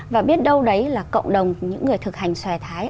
và biết đâu đấy là cộng đồng những người thực hành xòe thái